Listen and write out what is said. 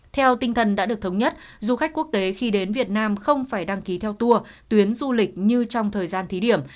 theo tinh thần đã được thống nhất du khách quốc tế khi đến việt nam không phải đăng ký theo tour tuyến du lịch như trong thời gian thí điểm